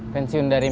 pensiun dari misi